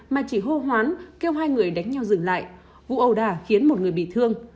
mà chỉ hô hoán kêu hai người đánh nhau dừng lại vụ ẩu đả khiến một người bị thương